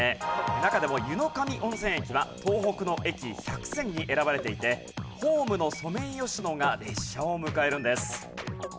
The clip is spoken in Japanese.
中でも湯野上温泉駅は東北の駅１００選に選ばれていてホームのソメイヨシノが列車を迎えるんです。